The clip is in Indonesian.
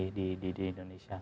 ya lebih tinggi di indonesia